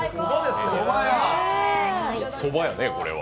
そばやね、これは。